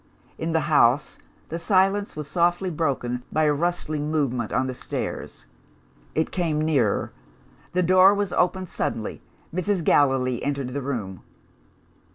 In the house, the silence was softly broken by a rustling movement on the stairs. It came nearer. The door was opened suddenly. Mrs. Gallilee entered the room.